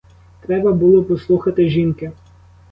Треба було послухати жінки.